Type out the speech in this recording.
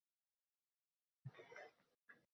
Dasturlovchi kerak